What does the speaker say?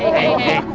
pak ini apa